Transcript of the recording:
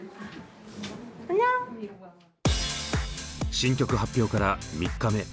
新曲発表から３日目。